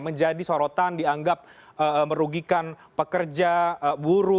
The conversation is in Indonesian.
menjadi sorotan dianggap merugikan pekerja buruh